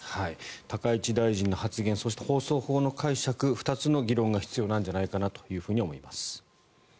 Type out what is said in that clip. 高市大臣の発言そして、放送法の解釈２つの議論が必要なんじゃないかなと思います。